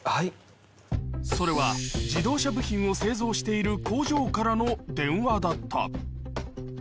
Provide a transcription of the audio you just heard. それは、自動車部品を製造している工場からの電話だった。